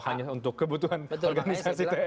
hanya untuk kebutuhan organisasi tnt betul